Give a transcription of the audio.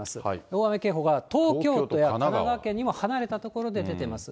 大雨警報が東京都や神奈川県にも、離れた所で出ています。